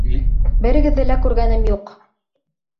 Берегеҙҙе лә күргәнем юҡ.